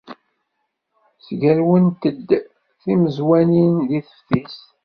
Sgerwent-d timeẓwanin deg teftist.